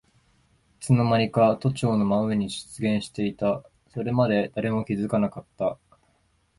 いつのまにか都庁の真上に出現していた。それまで誰も気づかなかった。